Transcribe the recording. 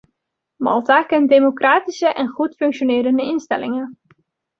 Malta kent democratische en goed functionerende instellingen.